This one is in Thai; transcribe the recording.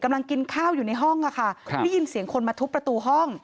กำลังกินข้าวอยู่ในห้องค่ะได้ยินเสียงคนมาทุบประตูห้อง